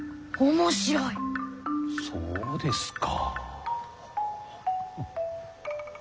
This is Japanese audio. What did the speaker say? そうですか。